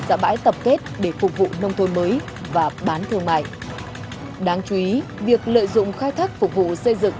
ra bãi tập kết để phục vụ nông thôn mới và bán thương mại đáng chú ý việc lợi dụng khai thác phục vụ xây dựng